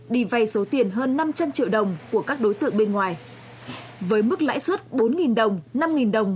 đi vay số tiền hơn năm trăm linh triệu đồng của các đối tượng bên ngoài với mức lãi suất bốn đồng năm đồng